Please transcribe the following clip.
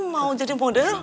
mau jadi model